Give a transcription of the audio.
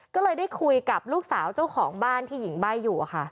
ก็เลยได้คุยกับลูกสาวเจ้าของบ้านที่หญิงใบ้อยู่ค่ะ